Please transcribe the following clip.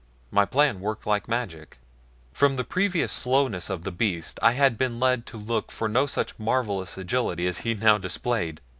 My plan worked like magic. From the previous slowness of the beast I had been led to look for no such marvelous agility as he now displayed.